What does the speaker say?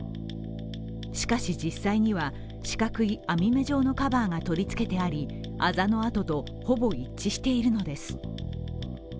しかし実際には、四角い網目状のカバーが取り付けてありあざの跡とほぼ一致しているのです。